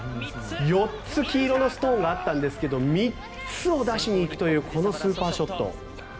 ４つ、黄色のストーンがあったんですが３つを出しにいくというこのスーパーショット。